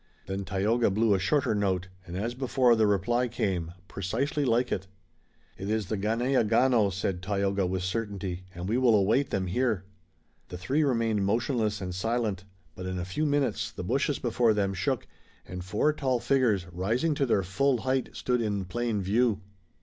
Then Tayoga blew a shorter note, and as before the reply came, precisely like it. "It is the Ganeagaono," said Tayoga with certainty, "and we will await them here." The three remained motionless and silent, but in a few minutes the bushes before them shook, and four tall figures, rising to their full height, stood in plain view.